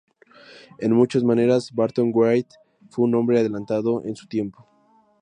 En muchas maneras, Barton-Wright fue un hombre adelantado en su tiempo.